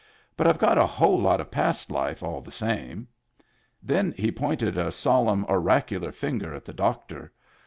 But I've got a whole lot of past life, all the same." Then he pointed a sol emn, oracular finger at the doctor.